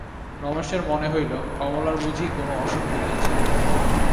রমেশের মনে হইল, কমলার বুঝি কোনো অসুখ করিয়াছে।